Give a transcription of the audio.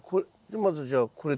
まずじゃあこれと。